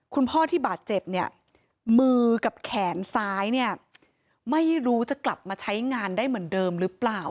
คุณพ่อที่บาดเจ็บเนี่ยมือกับแขนซ้ายเนี่ยไม่รู้จะกลับมาใช้งานได้เหมือนเดิมหรือเปล่า